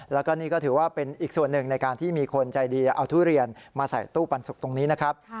แล้วก็นี่ก็ถือว่าเป็นอีกส่วนหนึ่งในการที่มีคนใจดีเอาทุเรียนมาใส่ตู้ปันสุกตรงนี้นะครับ